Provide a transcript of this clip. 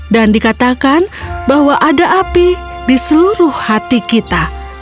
dan dikatakan bahwa ada api di seluruh hati kita